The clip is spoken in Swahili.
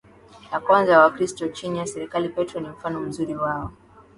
ya kwanza ya Wakristo chini ya serikali Petro ni mfano mzuri wa